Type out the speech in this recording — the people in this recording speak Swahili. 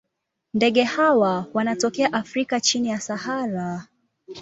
Ndege hawa wanatokea Afrika chini ya Sahara.